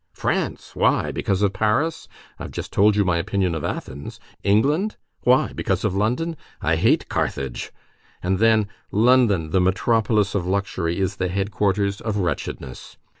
France? Why? Because of Paris? I have just told you my opinion of Athens. England? Why? Because of London? I hate Carthage. And then, London, the metropolis of luxury, is the headquarters of wretchedness.